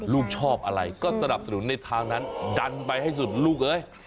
ลูกชอบอะไรก็สนับสนุนในทางนั้นดันไปให้สุดลูกเอ้ย